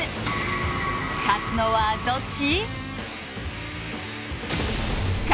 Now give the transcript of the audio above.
勝つのはどっち！？